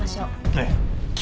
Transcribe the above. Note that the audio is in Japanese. ええ。